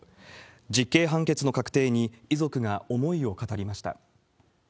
実刑判決の確定に、遺族が思いを語りました。